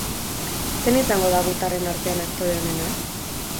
Zein izango da gutarren artean aktore onena?